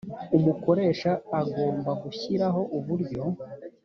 umukoresha agomba gushyiraho uburyo